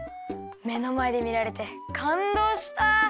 めのまえでみられてかんどうした。